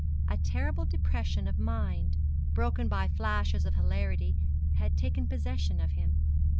A terrible depression of mind, broken by flashes of hilarity, had taken possession of him.